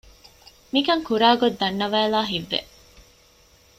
މިކަން ކުރާގޮތް ދަންނަވައިލާ ހިތްވެ